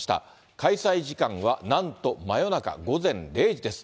開催時間はなんと真夜中、午前０時です。